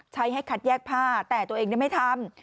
ให้คัดแยกผ้าแต่ตัวเองไม่ทำ